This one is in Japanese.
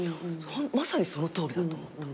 まさにそのとおりだと思った。